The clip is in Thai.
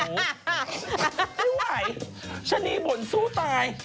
ไม่ไหวชะนีบ่นสู้ตาย